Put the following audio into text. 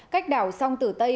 cách đảo song tử tây